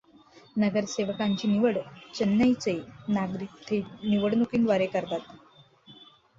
नगरसेवकांची निवड चेन्नईचे नागरिक थेट निवडणुकीच्या द्वारे करतात.